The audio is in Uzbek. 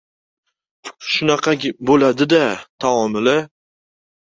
— Shunaqa bo‘ladi-da taomili!